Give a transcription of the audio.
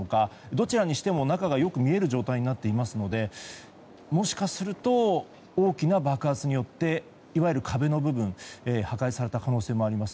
どちらにしても中がよく見える状態になっていますのでもしかすると大きな爆発によっていわゆる壁の部分破壊された可能性もあります。